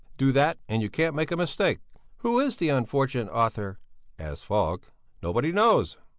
Do that, and you can't make a mistake." "Who is the unfortunate author?" asked Falk. "Nobody knows."